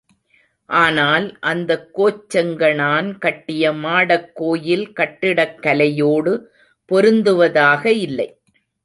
ஆனால் அந்த கோச்செங்கணான் கட்டிய மாடக்கோயில் கட்டிடக் கலையோடு பொருந்துவதாக இல்லை.